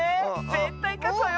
ぜったいかつわよ！